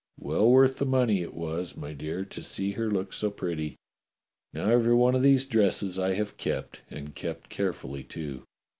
Well worth the money it was, my dear, to see her look so pretty. Now every one of these dresses I have kept, and kept carefully, too.